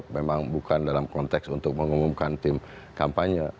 memang bukan dalam konteks untuk mengumumkan tim kampanye